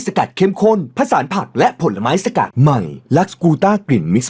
ถ้าตื่นมาเมื่อไหร่ปอยจะเรียบที่ดอด